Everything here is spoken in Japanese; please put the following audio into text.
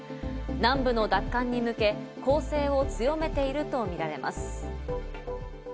南部の奪還に向け攻勢を強めているとみられます。